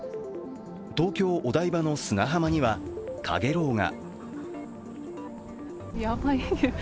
東京・お台場の砂浜には、かげろうが。